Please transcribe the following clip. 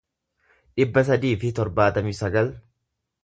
dhibba sadii fi torbaatamii sagal